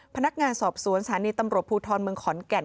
พนักงานสอบสวนสถานีตำรวจภูทรเมืองขอนแก่น